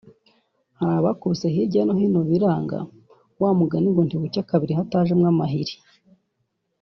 hari abakubise hirya hino biranga wa mugani ngo ntibucya kabiri hatajemo amahiri